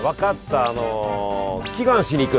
あの祈願しにいく。